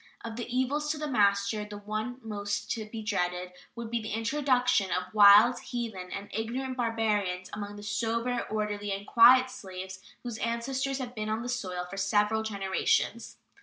Of the evils to the master, the one most to be dreaded would be the introduction of wild, heathen, and ignorant barbarians among the sober, orderly, and quiet slaves whose ancestors have been on the soil for several generations.